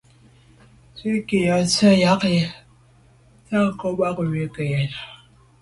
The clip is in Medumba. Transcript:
Ntshu i nke ntswe’ tsha’ yi ntsan ngo’ bàn bwe ke yen.